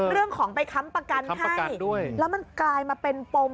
เรื่องของไปค้ำประกันให้ค้ำประกันด้วยแล้วมันกลายมาเป็นปม